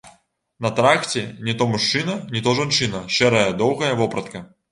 На тракце не то мужчына, не то жанчына, шэрая доўгая вопратка.